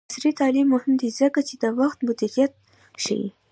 عصري تعلیم مهم دی ځکه چې د وخت مدیریت ښيي.